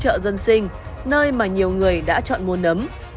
hoặc có ghi thì cũng rất mập mờ